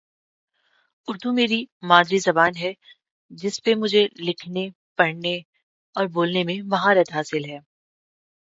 She was a three-time winner of Germany's sportswoman of the year award.